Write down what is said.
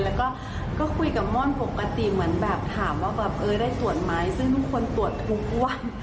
แล้วก็คุยกับม่อนปกติเหมือนแบบถามว่าแบบเออได้ตรวจไหมซึ่งทุกคนตรวจทุกวัน